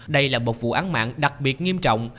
đây là một vụ án mạng đặc biệt nghiêm trọng